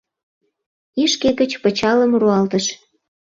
Ишке гыч пычалым руалтыш.